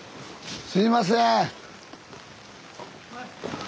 すいません